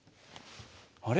あれ？